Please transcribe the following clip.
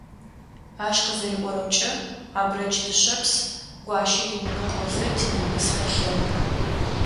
Ащ къызэриӏорэмкӏэ, Абрэдж Дышъэпс-Гуащэ иунэ кӏозэ Тинэмыс къелъэгъу.